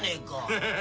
ハハハ。